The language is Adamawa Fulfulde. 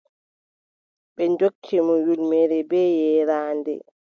Ɓe ndokki mo ƴulmere bee yeeraande.